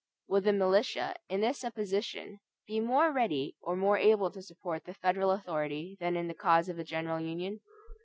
Would the militia, in this supposition, be more ready or more able to support the federal authority than in the case of a general union?